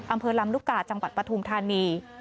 อำเภอลำลูกกาจังหวัดปฐุมธานี